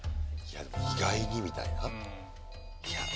「意外に」みたいな？